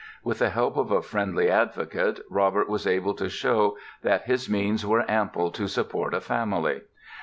With the help of a friendly advocate Robert was able to show that his means were ample to support a family.